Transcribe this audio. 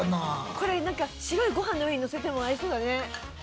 これ白いご飯の上にのせても合いそうだね。